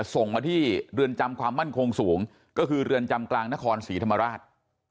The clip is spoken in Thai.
ส่งมาที่เรือนจำความมั่นคงสูงก็คือเรือนจำกลางนครศรีธรรมราช